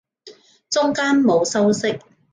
中間冇修飾